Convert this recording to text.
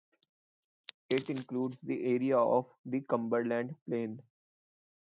It includes the area of the Cumberland Plain.